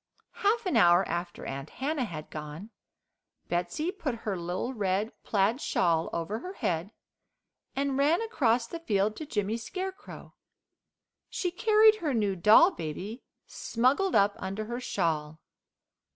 Half an hour after Aunt Hannah had gone Betsey put her little red plaid shawl over her head, and ran across the field to Jimmy Scarecrow. She carried her new doll baby smuggled up under her shawl.